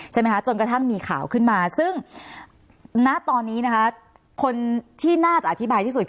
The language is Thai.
จนกระทั่งมีข่าวขึ้นมาซึ่งณตอนนี้นะคะคนที่น่าจะอธิบายที่สุด